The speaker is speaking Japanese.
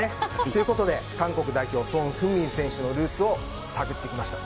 ということで韓国代表ソン・フンミン選手のルーツを探ってきました。